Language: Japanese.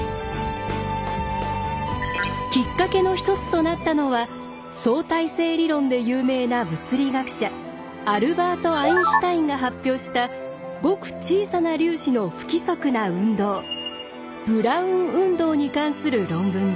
きっかけの１つとなったのは相対性理論で有名な物理学者アルバート・アインシュタインが発表したごく小さな粒子の不規則な運動「ブラウン運動」に関する論文です。